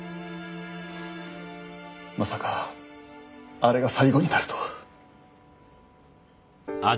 まさかあれが最後になるとは。